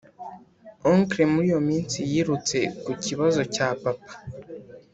auncle muri iyo minsi yirutse ku ikibazo cya papa